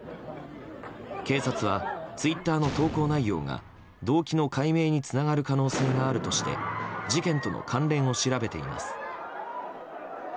警察は、ツイッターの投稿内容が動機の解明につながる可能性があるとして事件との関連を調べています。